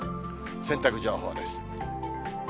洗濯情報です。